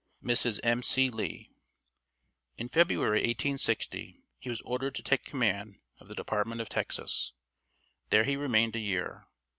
"MRS. M. C. LEE." In February, 1860, he was ordered to take command of the Department of Texas. There he remained a year.